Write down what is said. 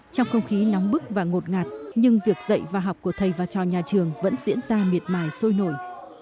trong không khí nóng bức và ngột ngạt nhưng việc dạy và học của thầy và trò nhà trường vẫn diễn ra miệt mài sôi nổi